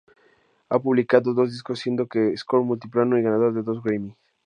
Han publicado dos discos, siendo The Score multiplatino y ganador de dos Grammy.